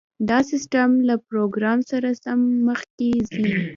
دا سیستم له پروګرام سره سم مخکې ځي